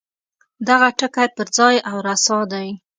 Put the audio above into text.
دغه ټکی پر ځای او رسا دی.